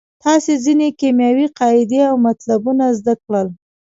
تاسې ځینې کیمیاوي قاعدې او مطلبونه زده کړل.